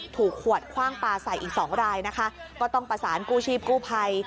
ถูกขวดคว่างปลาใส่อีกสองรายนะคะก็ต้องประสานกู้ชีพกู้ภัย